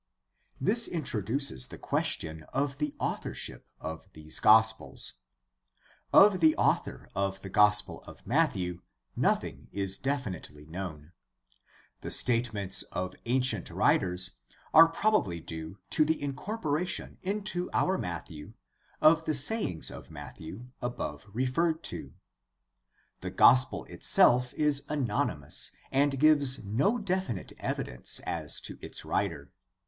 — This introduces the question of the authorship of these gospels. Of the author of the Gospel of Matthew nothing is definitely known. The statements of ancient writers are probably due to the THE STUDY OF THE NEW TESTAMENT 193 incorporation into our Matthew of the Sayings of Matthew above referred to. The gospel itself is anonymous and gives no definite evidence as to its writer.